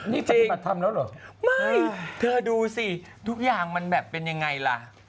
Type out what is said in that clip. นี่ปฏิบัติธรรมแล้วเหรอไม่เธอดูสิทุกอย่างมันแบบเป็นยังไงล่ะ